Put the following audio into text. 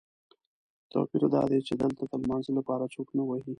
توپیر دادی چې دلته د لمانځه لپاره څوک نه وهي.